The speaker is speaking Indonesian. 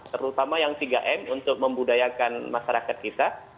terutama yang tiga m untuk membudayakan masyarakat kita